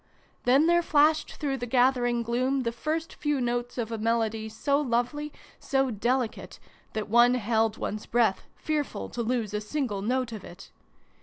Then there flashed through Xii] FAIRY MUSIC. 177 the gathering gloom the first few notes of a melody so lovely, so delicate, that one held one's breath, fearful to lose a single note of it.